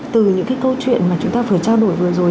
từ những cái câu chuyện mà chúng ta vừa trao đổi vừa rồi